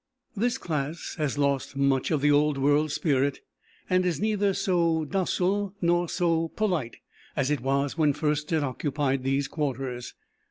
This class has lost much of the Old World spirit and is neither so docile nor so polite as it was when first it occupied these quarters.